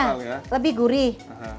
iya lebih gurih